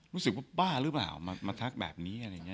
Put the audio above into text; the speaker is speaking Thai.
รู้สึกว่าบ้าหรือเปล่ามาทักแบบนี้